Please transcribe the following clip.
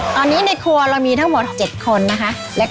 ตอนนี้ในครัวเรามีทั้งหมด๗คนนะคะ